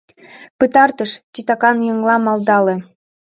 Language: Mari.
— Пытартыш, — титакан еҥла малдале.